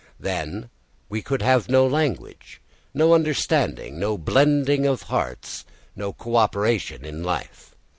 Then we could have no language, no understanding, no blending of hearts, no co operation in life.